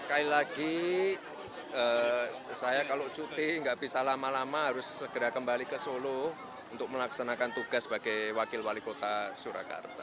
sekali lagi saya kalau cuti nggak bisa lama lama harus segera kembali ke solo untuk melaksanakan tugas sebagai wakil wali kota surakarta